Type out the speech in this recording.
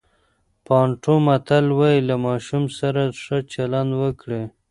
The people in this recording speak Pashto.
بانټو متل وایي له ماشوم سره ښه چلند وکړئ.